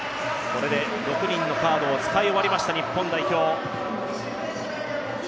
これで６人のカードを使い終わりました日本代表。